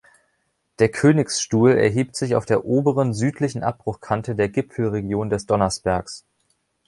Der Königsstuhl erhebt sich auf der oberen südlichen Abbruchkante der Gipfelregion des Donnersbergs.